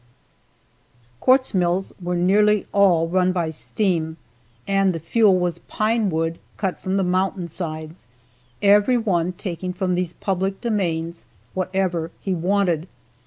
"] Quartz mills were nearly all run by steam and the fuel was pine wood cut from the mountain sides, every one taking from these public domains whatever he wanted.